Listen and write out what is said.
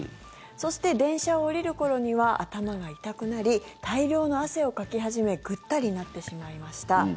そして電車を降りる頃には頭が痛くなり大量の汗をかき始めぐったりなってしまいました。